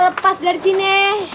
lepas dari sini